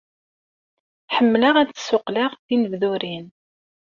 Ḥemmleɣ ad d-ssuqqleɣ tinebdurin.